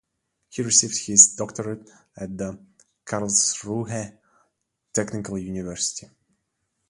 He received his doctorate at the Karlsruhe Technical University.